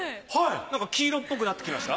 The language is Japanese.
なんか黄色っぽくなってきました。